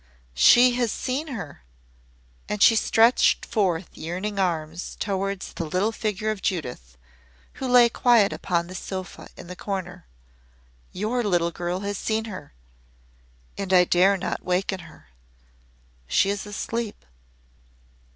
"She has seen her!" And she stretched forth yearning arms towards the little figure of Judith, who lay quiet upon the sofa in the corner. "Your little girl has seen her and I dare not waken her. She is asleep."